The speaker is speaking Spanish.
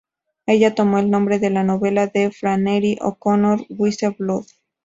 Ella tomó el nombre de la novela de Flannery O'Connor, "Wise Blood".